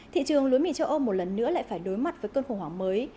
thị trường lúa mì châu âu một lần nữa lại phải đối mặt với cơn khủng hoảng mới